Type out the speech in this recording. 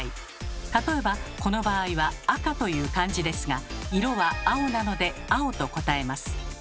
例えばこの場合は「赤」という漢字ですが色は「青」なので「青」と答えます。